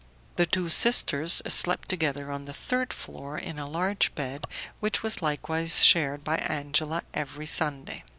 The two sisters slept together on the third floor in a large bed, which was likewise shared by Angela every Sunday.